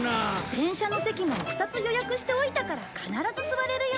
電車の席も２つ予約しておいたから必ず座れるよ。